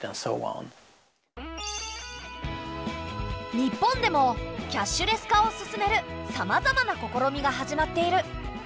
日本でもキャッシュレス化を進めるさまざまな試みが始まっている。